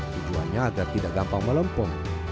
tujuannya agar tidak gampang melempung